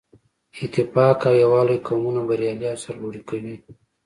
اتفاق او یووالی قومونه بریالي او سرلوړي کوي.